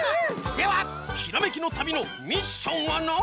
ではひらめきの旅のミッションはな。